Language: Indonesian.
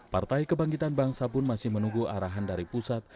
partai kebangkitan bangsa pun masih menunggu arahan dari pusat